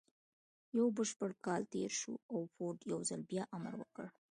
يو بشپړ کال تېر شو او فورډ يو ځل بيا امر وکړ.